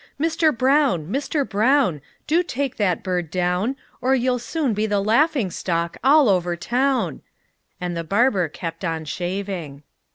Mister Brown! Mister Brown! Do take that bird down, Or you'll soon be the laughing stock all over town!" And the barber kept on shaving.